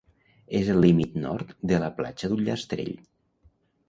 És el límit nord de la Platja d'Ullastrell.